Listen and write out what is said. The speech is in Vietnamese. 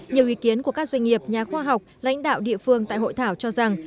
nhiều ý kiến của các doanh nghiệp nhà khoa học lãnh đạo địa phương tại hội thảo cho rằng